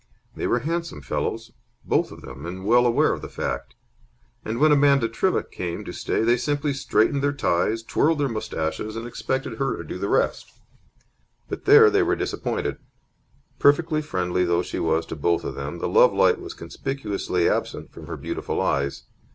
They were handsome fellows, both of them, and well aware of the fact; and when Amanda Trivett came to stay they simply straightened their ties, twirled their moustaches, and expected her to do the rest. But there they were disappointed. Perfectly friendly though she was to both of them, the lovelight was conspicuously absent from her beautiful eyes.